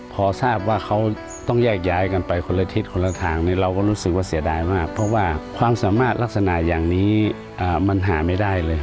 พอทราบว่าเขาต้องแยกย้ายกันไปคนละทิศคนละทางเราก็รู้สึกว่าเสียดายมากเพราะว่าความสามารถลักษณะอย่างนี้มันหาไม่ได้เลย